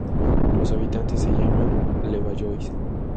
Los habitantes se llaman "Levallois".